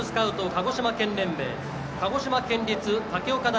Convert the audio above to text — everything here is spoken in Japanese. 鹿児島県連盟鹿児島県立武岡台